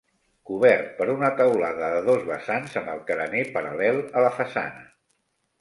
Cobert per una teulada de dos vessants amb el carener paral·lel a la façana.